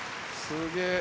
すげえ。